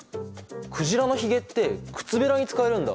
鯨のひげってくつべらに使えるんだ。